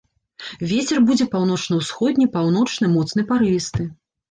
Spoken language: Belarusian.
Вецер будзе паўночна-ўсходні, паўночны, моцны парывісты.